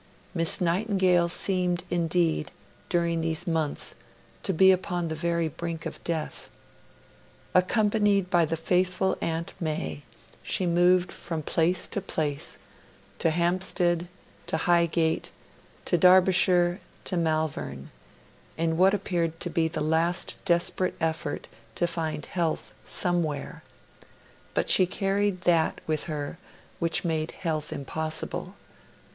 Miss Nightingale seemed, indeed, during these months, to be upon the very brink of death. Accompanied by the faithful Aunt Mai, she moved from place to place to Hampstead, to Highgate, to Derbyshire, to Malvern in what appeared to be a last desperate effort to find health somewhere; but she carried that with her which made health impossible.